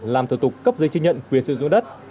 làm thủ tục cấp giấy chứng nhận quyền sử dụng đất